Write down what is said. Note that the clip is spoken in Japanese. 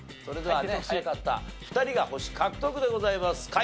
それでは早かった２人が星獲得でございます。